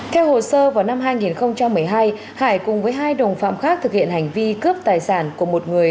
theo hồ sơ vào năm hai nghìn một mươi hai hải cùng với hai đồng phạm khác thực hiện hành vi cướp tài sản của một người